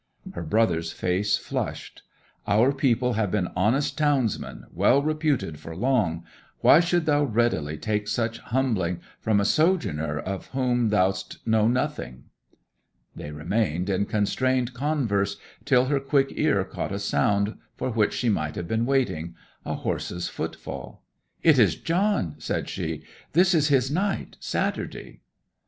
Her brother's face flushed. 'Our people have been honest townsmen, well reputed for long; why should you readily take such humbling from a sojourner of whom th' 'st know nothing?' They remained in constrained converse till her quick ear caught a sound, for which she might have been waiting a horse's footfall. 'It is John!' said she. 'This is his night Saturday.'